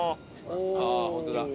ああホントだ。